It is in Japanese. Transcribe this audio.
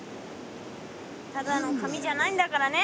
ただの紙じゃないんだからね。